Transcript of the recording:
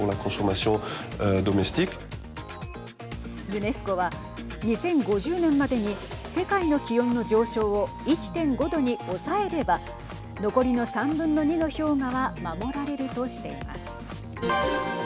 ユネスコは２０５０年までに世界の気温の上昇を１．５度に抑えれば残りの３分の２の氷河は守られるとしています。